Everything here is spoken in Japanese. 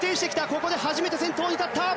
ここで初めて先頭に立った。